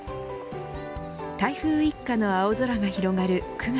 台風一過の青空が広がる９月。